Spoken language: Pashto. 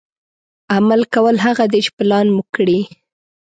عمل کول هغه دي چې پلان مو کړي.